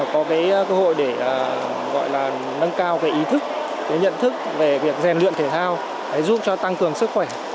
có cái cơ hội để gọi là nâng cao ý thức cái nhận thức về việc rèn luyện thể thao giúp cho tăng cường sức khỏe